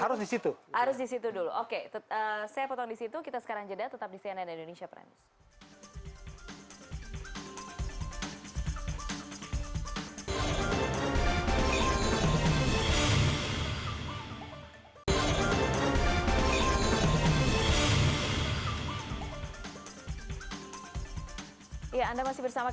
oke baik baik baik